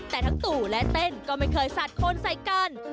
แต่ทั้งตู่และเต้นก็ไม่เคยสาดคนใส่กัน